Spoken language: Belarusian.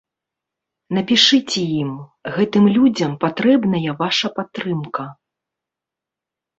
Напішыце ім, гэтым людзям патрэбная ваша падтрымка.